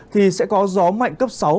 thì sẽ có gió mạnh cấp sáu